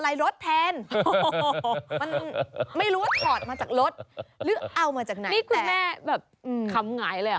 อีกมันไร